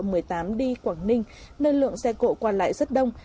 hơn nữa tỉnh lộ ba trăm tám mươi tám đi quảng ninh nơi lượng xe cộ qua lại rất đông